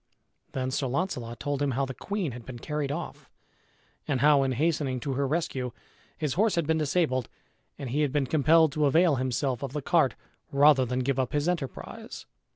Then Sir Launcelot told him how the queen had been carried off, and how, in hastening to her rescue, his horse had been disabled and he had been compelled to avail himself of the cart rather than give up his enterprise.